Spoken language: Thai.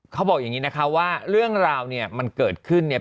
เขาบอกอย่างนี้นะคะว่าเรื่องราวเนี่ยมันเกิดขึ้นเนี่ย